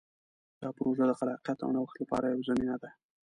دا پروژه د خلاقیت او نوښت لپاره یوه زمینه ده.